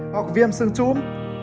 hoặc viêm sương trúm